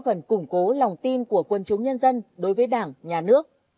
an ninh nhân dân đối với đảng nhà nước